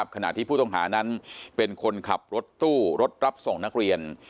ขณะที่ผู้ต้องหานั้นเป็นคนขับรถตู้รถรับส่งนักเรียน